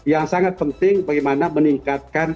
yang sangat penting bagaimana meningkatkan